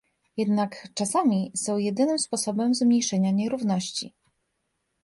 Jednak czasami są jedynym sposobem zmniejszenia nierówności